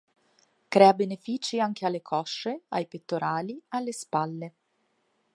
Crea benefici anche alle cosce, ai pettorali, alle spalle.